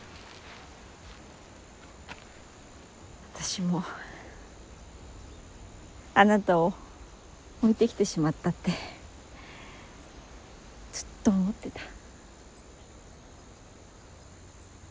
私もあなたを置いてきてしまったってずっと思ってた。